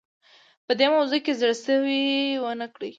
په دغه موضوع کې زړه سوی ونه کړو.